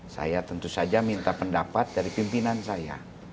saya tentu saja minta pendapat dari pimpinan saya